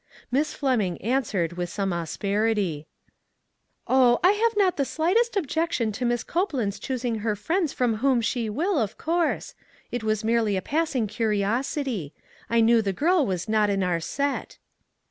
Miss Fleming answered with some as perity : "Oh! I have not the slightest objection to Miss Copeland's choosing her friends from whom she will, of course ; it was merely a 86 ONE COMMONPLACE DAY. passing curiosity. I knew the girl was not in our set."